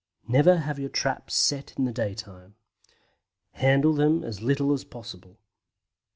NEVER HAVE YOUR TRAPS SET IN THE DAYTIME. Handle them as little as possible.